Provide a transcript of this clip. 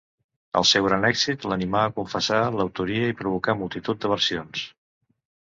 El seu gran èxit l'animà a confessar l'autoria i provocà multitud de versions.